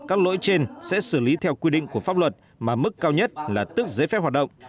các lỗi trên sẽ xử lý theo quy định của pháp luật mà mức cao nhất là tức giấy phép hoạt động